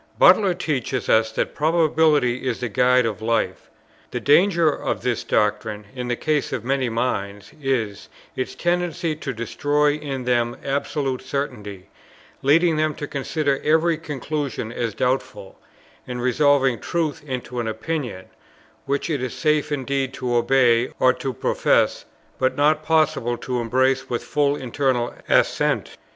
Butler teaches us that probability is the guide of life. The danger of this doctrine, in the case of many minds, is, its tendency to destroy in them absolute certainty, leading them to consider every conclusion as doubtful, and resolving truth into an opinion, which it is safe indeed to obey or to profess, but not possible to embrace with full internal assent.